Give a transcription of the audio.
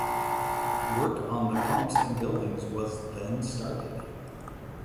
Work on the pumps and buildings was then started.